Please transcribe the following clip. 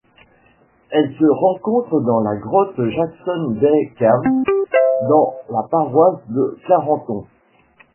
Elle se rencontre dans la grotte Jackson Bay Cave dans la paroisse de Clarendon.